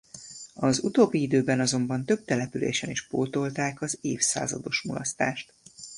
Az utóbbi időben azonban több településen is pótolták az évszázados mulasztást.